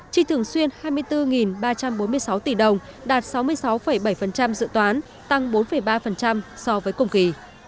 chi thường xuyên hai mươi bốn ba trăm bốn mươi sáu tỷ đồng đạt sáu mươi sáu bảy dự toán tăng bốn ba so với cùng kỳ